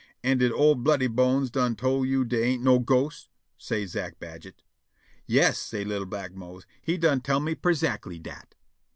"An' did old Bloody Bones done tol' you dey ain' no ghosts?" say Zack Badget. "Yas," say' li'l' black Mose, "he done tell me perzackly dat."